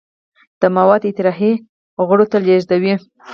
دا مواد اطراحي غړو ته لیږدوي.